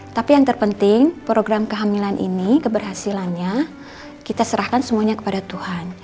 tapi yang terpenting program kehamilan ini keberhasilannya kita serahkan semuanya kepada tuhan